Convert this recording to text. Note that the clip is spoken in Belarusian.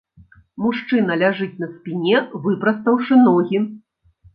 Мужчына ляжыць на спіне, выпрастаўшы ногі.